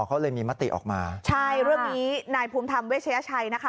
เขาเลยมีมติออกมาใช่เรื่องนี้นายภูมิธรรมเวชยชัยนะคะ